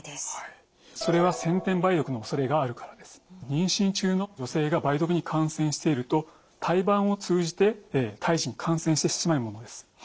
妊娠中の女性が梅毒に感染していると胎盤を通じて胎児に感染してしまうものです。